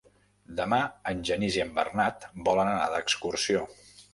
Demà en Genís i en Bernat volen anar d'excursió.